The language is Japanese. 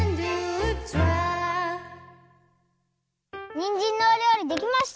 にんじんのおりょうりできました！